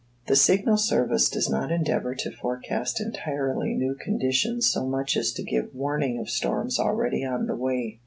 The Signal Service does not endeavor to forecast entirely new conditions so much as to give warning of storms already on the way.